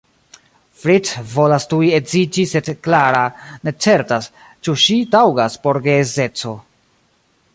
Fritz volas tuj edziĝi sed Clara ne certas, ĉu ŝi taŭgas por geedzeco.